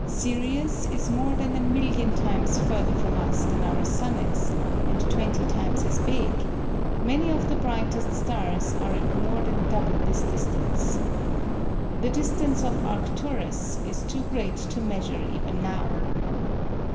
Sirius is more than a million times further from us than our sun is, and twenty times as big; many of the brightest stars are at more than double this distance. The distance of Arcturus is too great to measure even now.